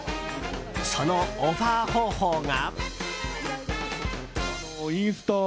そのオファー方法が。